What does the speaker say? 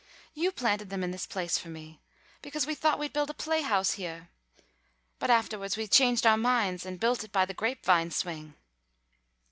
You planted them in this place for me, because we thought we'd build a play house heah, but aftahwards we changed our minds and built it by the grape vine swing."